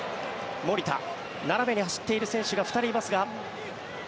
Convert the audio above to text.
斜めに走っている選手が２人いますが。